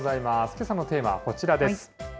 けさのテーマはこちらです。